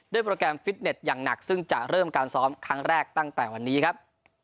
โปรแกรมฟิตเน็ตอย่างหนักซึ่งจะเริ่มการซ้อมครั้งแรกตั้งแต่วันนี้ครับ